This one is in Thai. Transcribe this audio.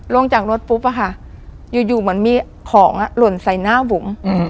ลงจากรถปุ๊บอะค่ะอยู่เหมือนมีของหล่นใส่หน้าบุ๋ม